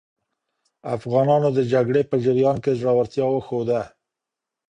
افغانانو د جګړې په جریان کې زړورتیا وښوده.